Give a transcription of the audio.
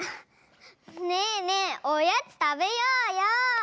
ねえねえおやつたべようよ！